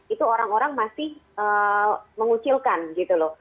itu orang orang masih mengucilkan gitu loh